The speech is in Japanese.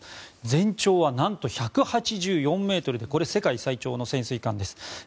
全長はなんと１８４ｍでこれは世界最長の潜水艦です。